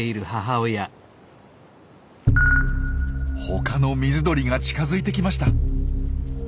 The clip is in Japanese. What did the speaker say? ほかの水鳥が近づいてきました。